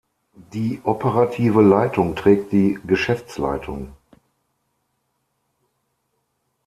Die operative Leitung trägt die Geschäftsleitung.